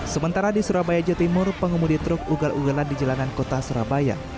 sementara di surabaya jawa timur pengemudi truk ugal ugalan di jalanan kota surabaya